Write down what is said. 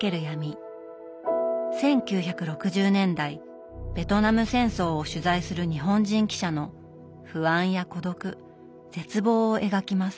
１９６０年代ベトナム戦争を取材する日本人記者の不安や孤独絶望を描きます。